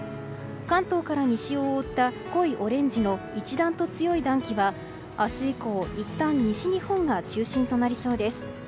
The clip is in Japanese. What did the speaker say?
関東から西を覆った濃いオレンジの一段と強い暖気は明日以降いったん西日本が中心となりそうです。